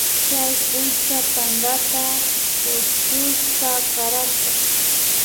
Chay kuytsa tandata kuchushpa kararka